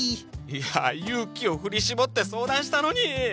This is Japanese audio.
いや勇気を振り絞って相談したのに！